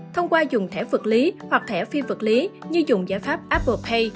thông qua dùng thẻ vực lý hoặc thẻ phi vực lý như dùng giải pháp apple pay